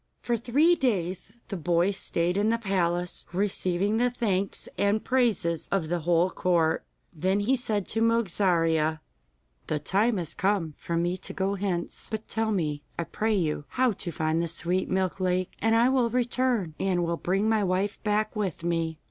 For three days the boy stayed in the palace, receiving the thanks and praises of the whole court. Then he said to Mogarzea: 'The time has come for me to go hence, but tell me, I pray you, how to find the Sweet Milk Lake, and I will return, and will bring my wife back with me.